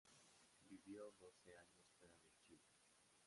Vivió doce años fuera de Chile.